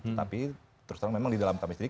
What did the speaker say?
tetapi terus terang memang di dalam kami sendiri